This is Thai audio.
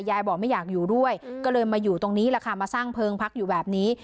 ยายบอกไม่อยากอยู่ด้วยก็เลยมาอยู่ตรงนี้แหละค่ะมาสร้างเพลิงพักอยู่แบบนี้